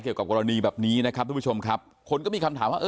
เกี่ยวกับกรณีแบบนี้นะครับคนก็มีคำถามว่า